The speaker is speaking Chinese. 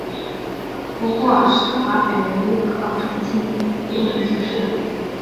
不过施华本人立刻澄清并无此事。